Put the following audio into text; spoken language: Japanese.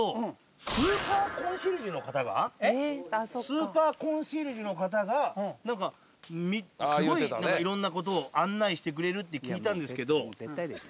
スーパーコンシェルジュの方が何かすごいいろんな事を案内してくれるって聞いたんですけど。